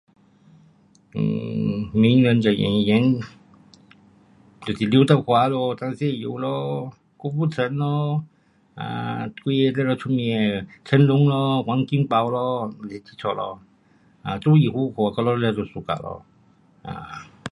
um 名人跟演员就是刘德华咯，张学友咯，郭富城咯，um 几个了了出名的成龙咯，王金宝咯，李志城，周于虎，我了了都 suka 咯 um